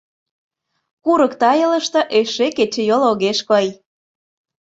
Курык тайылыште эше кечыйол огеш кой.